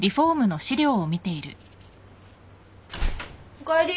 おかえり。